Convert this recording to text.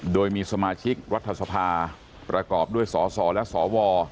โดยมีสมาชิกรัฐสภาประกอบด้วยสสและสว